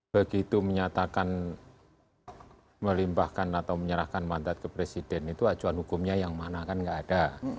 begitu menyatakan melimpahkan atau menyerahkan mandat ke presiden itu acuan hukumnya yang mana kan tidak ada